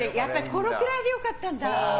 このくらいで良かったんだ。